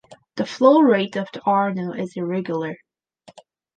The flow rate of the Arno is irregular.